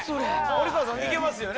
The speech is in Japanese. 森川さんいけますよね？